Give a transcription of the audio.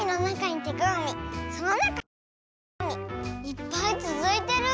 いっぱいつづいてる！